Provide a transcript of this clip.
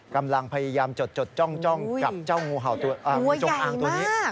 กำลังพยายามจดจ้องกับเจ้างูเห่างูจงอางตัวนี้